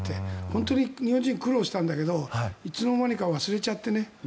本当に苦労したんだけどいつの間にか忘れちゃってね。